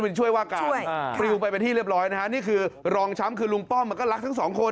ก็ให้ไปที่เรียบร้อยและนี่คือรองช้ำคือลุงตู่ก็รักทั้งสองคน